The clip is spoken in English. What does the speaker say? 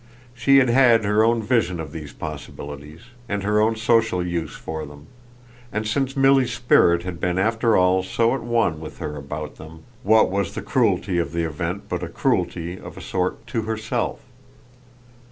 She had had her own vision of these possibilities, and her own social use for them, and since Milly's spirit had been after all so at one with her about them, what was the cruelty of the event but a cruelty, of a sort, to herself?